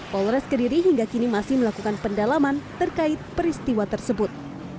polres kediri hingga kini masih melakukan pendalaman terkait peristiwa tersebut